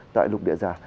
tại lục địa giả